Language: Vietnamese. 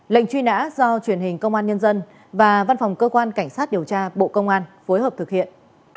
lệnh truy nã do truyền hình công an nhân dân và văn phòng cơ quan cảnh sát điều tra bộ công an phối hợp thực hiện